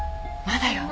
まだよ。